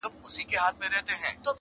چي مي پېغلوټي د کابل ستایلې٫